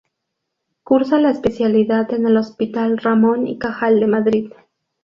Cursa la especialidad en el Hospital Ramón y Cajal de Madrid.